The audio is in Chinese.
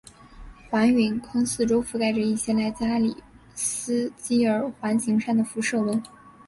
环陨坑四周覆盖着一些来自阿里斯基尔环形山的辐射纹。